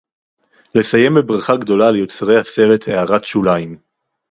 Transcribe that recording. "לסיים בברכה גדולה ליוצרי הסרט "הערת שוליים"